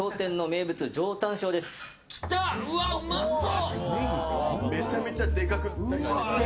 うわっ、うまそう！